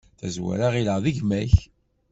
Tazwara ɣilleɣ d gma-k.